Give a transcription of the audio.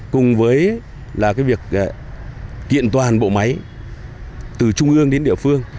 cùng với việc kiện toàn bộ máy từ trung ương đến địa phương